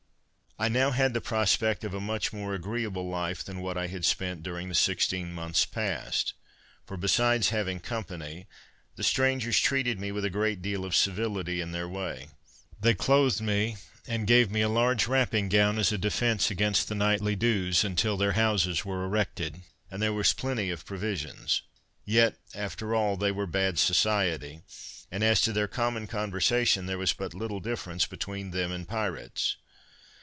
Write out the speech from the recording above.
I now had the prospect of a much more agreeable life than what I had spent during the sixteen months past; for, besides having company, the strangers treated me with a great deal of civility in their way; they clothed me, and gave me a large wrapping gown as a defence against the nightly dews, until their houses were erected; and there was plenty of provisions. Yet after all, they were bad society; and as to their common conversation, there was but little difference between them and pirates.